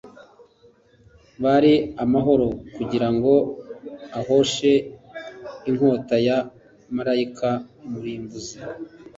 bari amahoro kugira ngo ahoshe inkota ya malayika murimbuzi